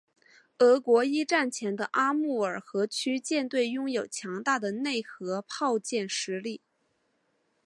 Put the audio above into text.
俄国一战前的阿穆尔河区舰队拥有着强大的内河炮舰实力。